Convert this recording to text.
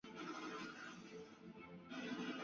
只有死亡能带我离开这里！